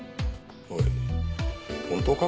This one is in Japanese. おい本当か？